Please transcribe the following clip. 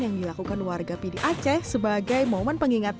yang dilakukan warga pidi aceh sebagai momen pengingatannya